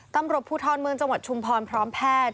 ตำรวจภูทรเมืองจังหวัดชุมพรพร้อมแพทย์